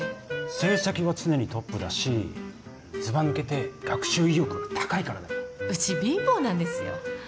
成績は常にトップだしずば抜けて学習意欲が高いからだようち貧乏なんですよ